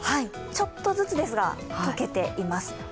ちょっとずつですが、解けています。